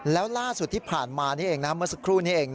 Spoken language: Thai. แล้วล่าสุดที่ผ่านมานี่เองเมื่อสักครู่นี้เอง